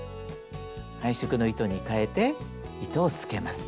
配色の糸にかえて糸をつけます。